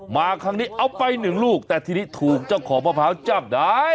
มาครั้งนี้เอาไปหนึ่งลูกแต่ทีนี้ถูกเจ้าของมะพร้าวจับได้